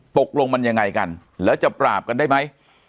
ตกลงมันยังไงกันแล้วจะปราบกันได้ไหม